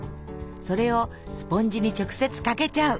それをスポンジに直接かけちゃう！